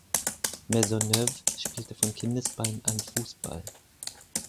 Maisonneuve spielte von Kindesbeinen an Fußball.